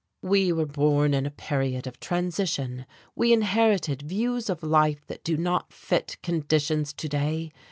We were born in a period of transition, we inherited views of life that do not fit conditions to day.